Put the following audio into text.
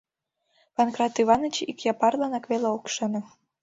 Панкрат Иваныч ик Япарланак веле ок ӱшане.